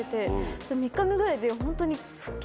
３日目ぐらいでホントに。